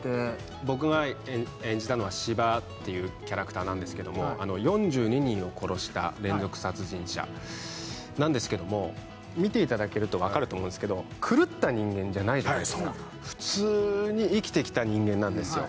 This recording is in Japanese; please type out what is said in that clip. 僕が演じたのは斯波っていうキャラクターなんですけども４２人を殺した連続殺人者なんですけども見ていただけると分かると思うんですけど狂った人間じゃないじゃないですか普通に生きてきた人間なんですよ